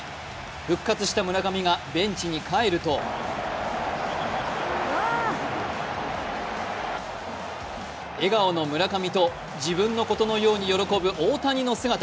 復活した村上がベンチに帰ると笑顔の村上と、自分のことのように喜ぶ大谷の姿。